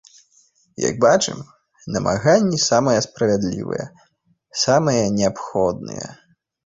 Як бачым, намаганні самыя справядлівыя, самыя неабходныя.